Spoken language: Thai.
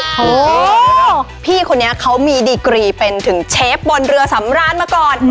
โหพี่คนนี้เขามีดีกรีเป็นถึงเชฟบนเรือสำราญมาก่อน